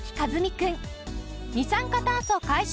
二酸化炭素回収